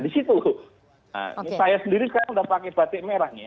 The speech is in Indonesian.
saya sendiri sekarang sudah pakai batik merah